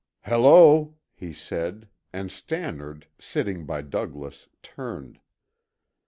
"Hello!" he said, and Stannard, sitting by Douglas, turned.